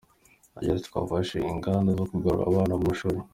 Agira ati “Twafashe ingamba zo kugarura abana mu mashuri.